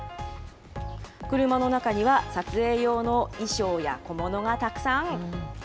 車の中には、撮影用の衣装や小物がたくさん。